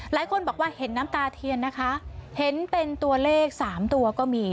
หลายคนบอกว่าเห็นน้ำตาเทียนนะคะเห็นเป็นตัวเลขสามตัวก็มี